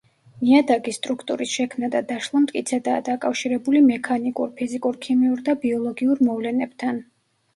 ნიადაგის სტრუქტურის შექმნა და დაშლა მტკიცედაა დაკავშირებული მექანიკურ, ფიზიკურ-ქიმიურ და ბიოლოგიურ მოვლენებთან.